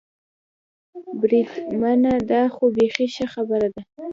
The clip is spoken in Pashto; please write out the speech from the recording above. بریدمنه، دا خو بېخي ښه خبره ده.